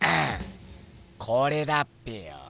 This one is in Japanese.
これだっぺよ！